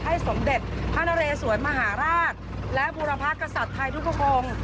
สมเด็จพระนเรสวนมหาราชและบุรพกษัตริย์ไทยทุกพระองค์